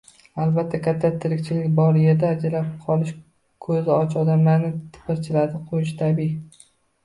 Albatta “katta tirikchilik” bor yerdan ajrab qolish koʻzi och odamlarni tipirchilatib qoʻyishi tabiiy...